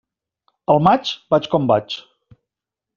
Al maig, vaig com vaig.